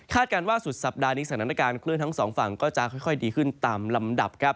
การว่าสุดสัปดาห์นี้สถานการณ์คลื่นทั้งสองฝั่งก็จะค่อยดีขึ้นตามลำดับครับ